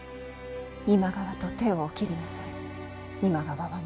今川と手をお切りなさい。